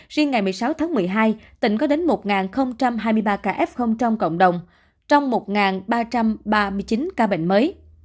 riêng ngày một mươi sáu tháng một mươi hai tỉnh có đến một hai mươi ba ca f trong cộng đồng trong một ba trăm ba mươi chín ca bệnh mới